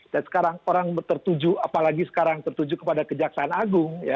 dan sekarang orang tertuju apalagi sekarang tertuju kepada kejaksaan agung ya